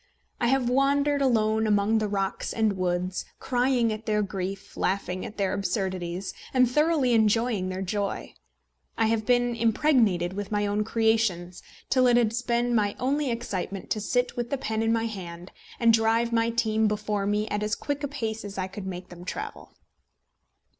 I have wandered alone among the rocks and woods, crying at their grief, laughing at their absurdities, and thoroughly enjoying their joy. I have been impregnated with my own creations till it has been my only excitement to sit with the pen in my hand, and drive my team before me at as quick a pace as I could make them travel.